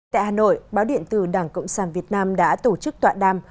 tại hà nội báo điện tử đảng cộng sản việt nam đã tổ chức tọa đàm